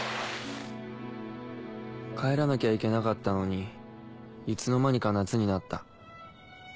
帰らなきゃいけなかったのにいつの間にか夏になった。